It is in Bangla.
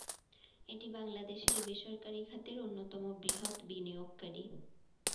এটি বাংলাদেশের বেসরকারী খাতের অন্যতম বৃহৎ বিনিয়োগকারী।